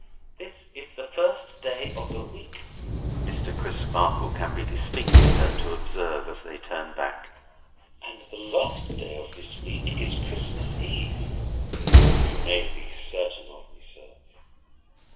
"This is the first day of the week," Mr. Crisparkle can be distinctly heard to observe, as they turn back; "and the last day of the week is Christmas Eve." "You may be certain of me, sir."